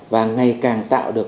và ngày càng tạo được